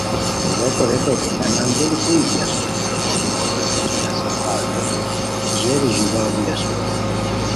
ریکو ریتائے کی تہ نان بیلی کوئے بی اسور؟ ریکو کومورو ریتائے کی ہسے پھار دیہی ژیری ژیباؤ بی اسور ریتائے